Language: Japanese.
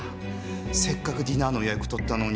せっかくディナーの予約取ったのに。